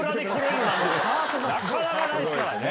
なかなかないですからね！